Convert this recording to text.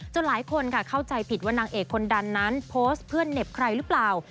หลายคนค่ะเข้าใจผิดว่านางเอกคนดันนั้นโพสต์เพื่อนเหน็บใครหรือเปล่า